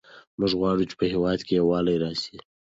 موږ غواړو چې په هېواد کې یووالی راسي.